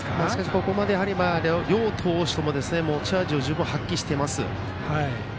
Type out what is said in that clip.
ここまで両投手とも持ち味を十分発揮しています。